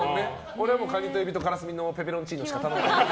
俺はカニとエビとカラスミのペペロンチーノしか食べない。